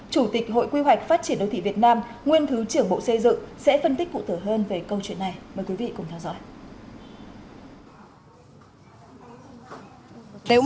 chủ tịch hội quy hoạch phát triển đô thị việt nam nguyên thứ trưởng bộ xây dựng